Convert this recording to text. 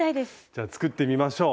じゃあ作ってみましょう。